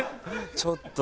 ちょっと！